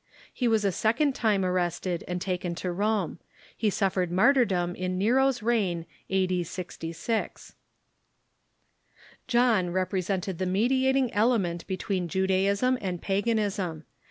He was a second time arrested, and taken to Rome. He suffered mar tyrdom in Nero's reign, a.d. 66.* John represented the mediating element between Judaism and paganism.